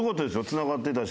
つながってたし。